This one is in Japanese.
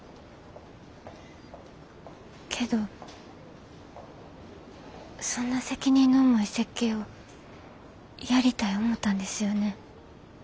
けどそんな責任の重い設計をやりたい思たんですよね？